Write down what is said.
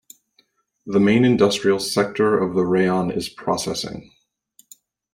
The main industrial sector of the rayon is processing.